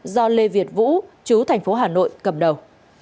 do lê việt vũ chú thành phố hà nội cầm đầu